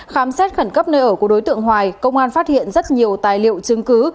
khám xét khẩn cấp nơi ở của đối tượng hoài công an phát hiện rất nhiều tài liệu chứng cứ